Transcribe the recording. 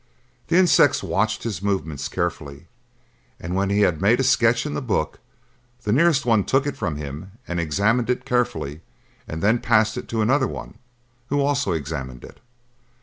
The insects watched his movements carefully, and when he had made a sketch in the book, the nearest one took it from him and examined it carefully and then passed it to another one, who also examined it.